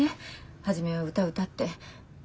初めは歌歌って。